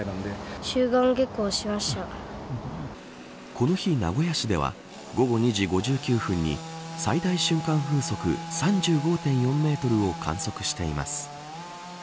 この日、名古屋市では午後２時５９分に最大瞬間風速３５．４メートルを観測しています。